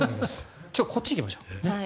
こっちに行きましょう。